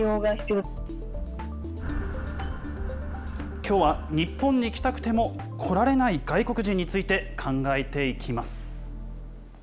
きょうは日本に来たくても来られない外国人について考えていきます。